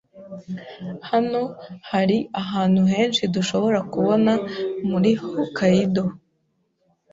Hano hari ahantu henshi dushobora kubona muri Hokkaido.